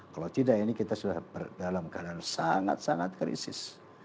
kalau tidak ini kita sudah dalam keadaan sangat sangat krisis